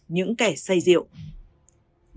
những kẻ xây dựng